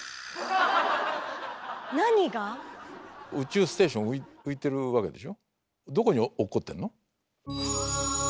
宇宙ステーション浮いてるわけでしょ？